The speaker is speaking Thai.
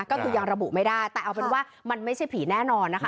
ก็คือยังระบุไม่ได้แต่เอาเป็นว่ามันไม่ใช่ผีแน่นอนนะคะ